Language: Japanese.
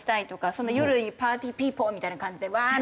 そんな夜にパーティーピーポーみたいな感じでうわー！